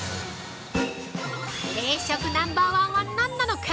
冷食ナンバー１は何なのか。